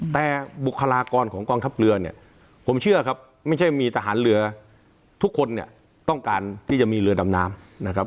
แต่บุคลากรของกองทัพเรือเนี่ยผมเชื่อครับไม่ใช่มีทหารเรือทุกคนเนี่ยต้องการที่จะมีเรือดำน้ำนะครับ